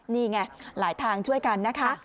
นี่ไงหลายทางช่วยกันนะคะ